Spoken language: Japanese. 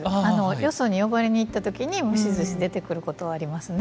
よそに呼ばれに行った時に蒸しずし出てくることはありますね。